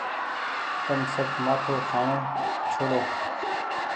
تم سب مآٿو کآڻو ڇوڙو۔